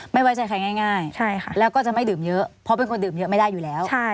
ไม่ไว้ใจใครง่ายแล้วก็จะไม่ดื่มเยอะเพราะเป็นคนดื่มเยอะไม่ได้อยู่แล้ว